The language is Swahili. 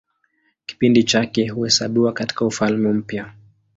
Kipindi chake huhesabiwa katIka Ufalme Mpya.